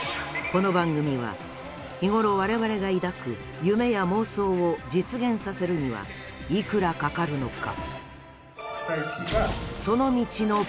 この番組は日頃我々が抱く夢や妄想を実現させるにはいくらかかるのか？